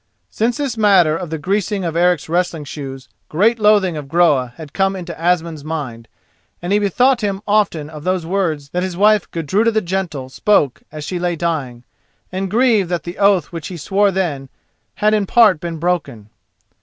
Since this matter of the greasing of Eric's wrestling shoes great loathing of Groa had come into Asmund's mind, and he bethought him often of those words that his wife Gudruda the Gentle spoke as she lay dying, and grieved that the oath which he swore then had in part been broken.